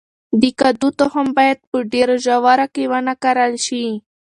د کدو تخم باید په ډیره ژوره کې ونه کرل شي.